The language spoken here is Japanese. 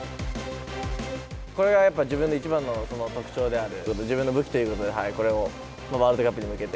これはやっぱり自分の一番の特徴である、自分の武器ということで、これをこのワールドカップに向けて、